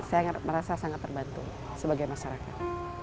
saya merasa sangat terbantu sebagai masyarakat